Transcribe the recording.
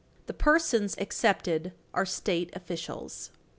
The persons excepted are State officials.